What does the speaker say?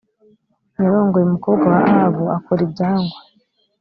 yarongoye umukobwa wa ahabu akora ibyangwa